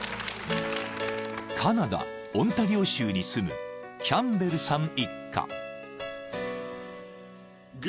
［カナダオンタリオ州に住むキャンベルさん一家］